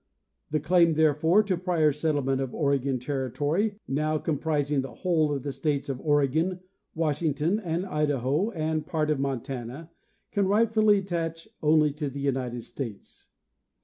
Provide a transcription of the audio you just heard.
The claim, therefore, to prior settlement of Oregon terri tory, now comprising the whole of the states of Oregon, Wash ington and Idaho and a part of Montana, can rightfully attach only to the United States.